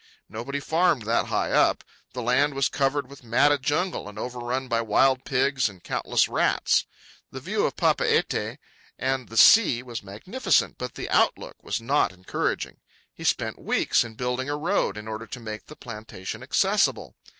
Nobody farmed that high up. The land was covered with matted jungle and overrun by wild pigs and countless rats. The view of Papeete and the sea was magnificent, but the outlook was not encouraging. He spent weeks in building a road in order to make the plantation accessible.